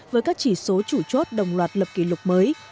với các chỉ số chủ chốt đồng loạt lập kỷ lục mới